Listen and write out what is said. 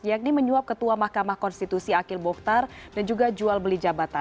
yakni menyuap ketua mahkamah konstitusi akil bokhtar dan juga jual beli jabatan